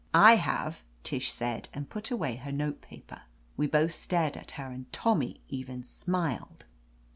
"I have !" Tish said, and put away her note paper. We both stared at her and Tommy even smiled.